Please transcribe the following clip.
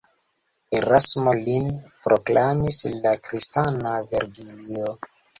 Erasmo lin proklamis la kristana Vergilio.